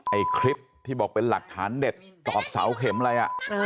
ไอ้คลิปที่บอกเป็นหลักฐานเด็ดตอกเสาเข็มอะไร